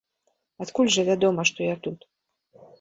Адкуль жа вядома, што я тут?